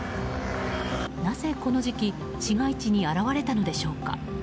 なぜ、この時期市街地に現れたのでしょうか。